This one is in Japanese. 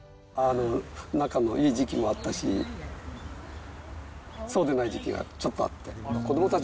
仲のいい時期もあったし、そうでない時期もちょっとあったり。